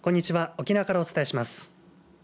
沖縄からお伝えします。